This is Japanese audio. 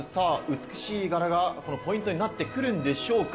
美しい柄がポイントになってくるんでしょうか。